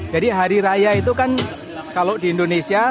jadi hari raya itu kan kalau di indonesia